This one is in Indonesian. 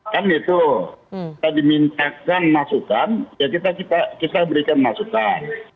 kan itu kita dimintakan masukan ya kita berikan masukan